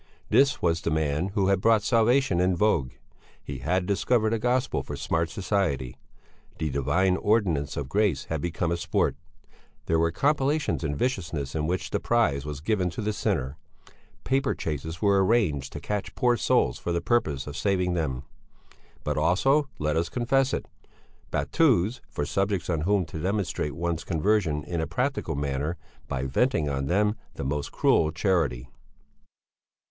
This was the man who had brought salvation in vogue! He had discovered a gospel for smart society. The divine ordinance of grace had become a sport! There were competitions in viciousness in which the prize was given to the sinner. Paper chases were arranged to catch poor souls for the purpose of saving them; but also, let us confess it, battues for subjects on whom to demonstrate one's conversion in a practical manner, by venting on them the most cruel charity.